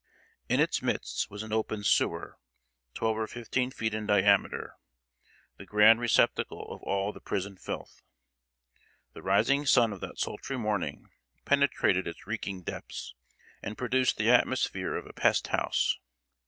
In its midst was an open sewer, twelve or fifteen feet in diameter, the grand receptacle of all the prison filth. The rising sun of that sultry morning penetrated its reeking depths, and produced the atmosphere of a pest house.